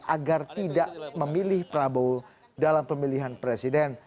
agar tidak memilih prabowo dalam pemilihan presiden